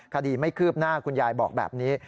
คดีไม่คืบหน้าคุณยายบอกแบบนี้